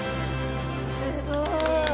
すごい！